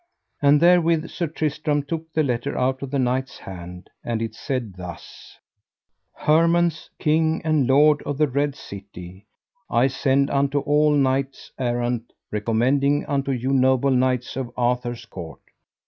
And therewith Sir Tristram took the letter out of the knight's hand, and it said thus: Hermance, king and lord of the Red City, I send unto all knights errant, recommending unto you noble knights of Arthur's court.